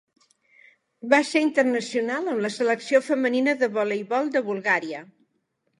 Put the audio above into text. Va ser internacional amb la Selecció femenina de voleibol de Bulgària.